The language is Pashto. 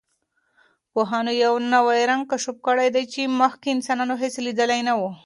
پوهانو یوه نوی رنګ کشف کړی دی چې مخکې انسان هېڅ لیدلی نه و.